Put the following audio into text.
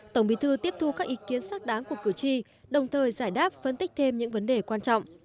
tổng bí thư tiếp thu các ý kiến xác đáng của cử tri đồng thời giải đáp phân tích thêm những vấn đề quan trọng